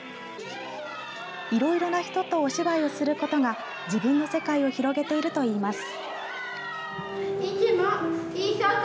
いろいろな人とお芝居をすることが自分の世界を広げているといいます。